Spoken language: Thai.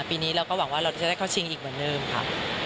ปีนี้เราก็หวังว่าเราจะได้เข้าชิงอีกเหมือนเดิมค่ะ